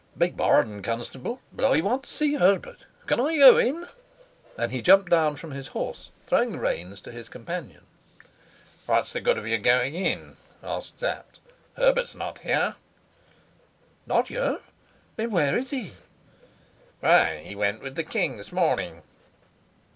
"Beg pardon, Constable, but I want to see Herbert. Can I go in?" And he jumped down from his horse, throwing the reins to his companion. "What's the good of your going in?" asked Sapt. "Herbert's not here." "Not here? Then where is he?" "Why, he went with the king this morning."